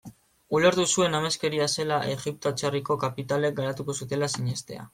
Ulertu zuen ameskeria zela Egipto atzerriko kapitalek garatuko zutela sinestea.